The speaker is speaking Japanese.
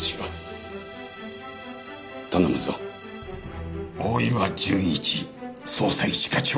頼むぞ大岩純一捜査一課長。